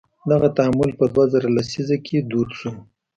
دغه تعامل په دوه زره لسیزه کې دود شو.